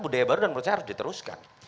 budaya baru dan menurut saya harus diteruskan